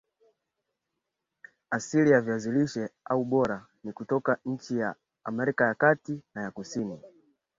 Asili ya viazi lishe au bora ni kutoka nchi ya Amerika ya Kati na ya Kusini